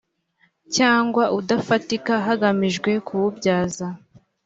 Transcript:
cyangwa udafatika hagamijwe kuwubyaza